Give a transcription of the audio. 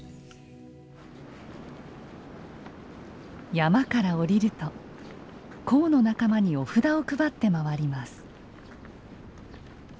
山から下りると講の仲間にお札を配って回ります。